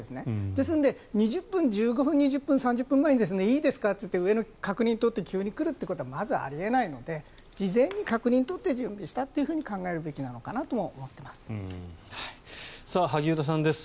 ですので１５分、２０分３０分前にいいですかと言って上の確認を取って急に来ることはまずあり得ないので事前に確認を取って準備したと考えるべきなのかなとも萩生田さんです。